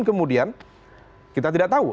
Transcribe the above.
kita tidak tahu